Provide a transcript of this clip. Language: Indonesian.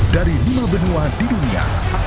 dari lima benua di dunia